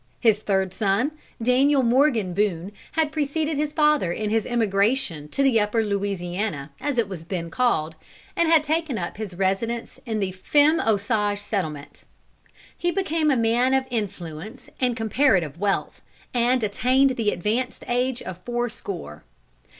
His third son, Daniel Morgan Boone, had preceded his father in his emigration to the Upper Louisiana, as it was then called, and had taken up his residence in the Femme Osage settlement. He became a man of influence and comparative wealth, and attained the advanced age of fourscore.